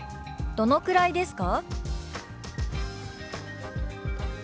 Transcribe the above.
「どのくらいですか？」。